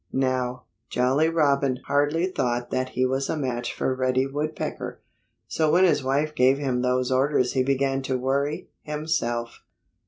Now, Jolly Robin hardly thought that he was a match for Reddy Woodpecker. So when his wife gave him those orders he began to worry, himself.